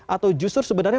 atau justru sebenarnya